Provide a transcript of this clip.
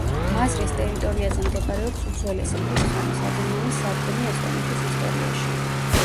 მაზრის ტერიტორიაზე მდებარეობს უძველესი, ქვის ხანის, ადამიანის სადგომი ესტონეთის ისტორიაში.